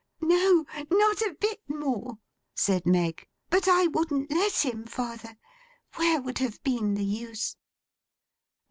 'No. Not a bit more,' said Meg. 'But I wouldn't let him, father. Where would have been the use!